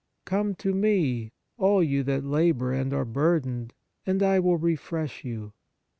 Come to Me all you that labour, and are burdened, and I will refresh you.